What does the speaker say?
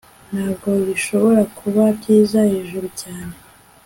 Ntabwo bishobora kuba byiza hejuru cyane